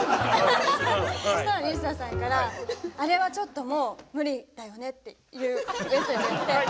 そしたら西田さんから「あれはちょっともう無理だよね」っていうメッセージが来て。